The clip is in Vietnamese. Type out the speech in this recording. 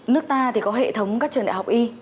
nước ta thì có hệ thống các truyền hình